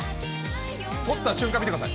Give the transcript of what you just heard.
取った瞬間見てください。